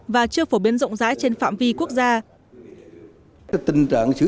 và chưa phổ biến rộng rãi trên phạm vi quốc gia